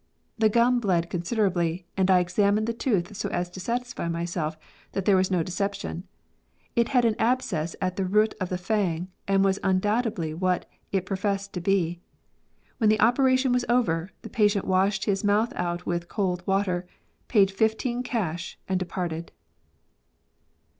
The gum bled considerably, and I examined the tooth so as to satisfy myself that there was no deception. It had an abscess at the root of the fang, and was undoubtedly what it professed to be. When the operation was over, the patient washed his mouth out with cold water, paid fifteen cash and departed."